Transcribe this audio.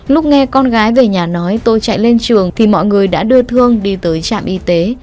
lúc nghe con gái về nhà nói tôi chạy lên trường thì mọi người đã đưa thương đi tới trạm y tế